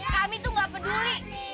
kami tuh nggak peduli